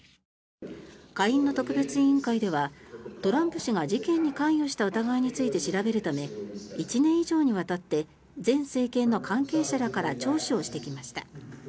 下院の特別委員会ではトランプ氏が事件に関与した疑いについて調べるため１年以上にわたって前政権の関係者らから聴取をしてきました。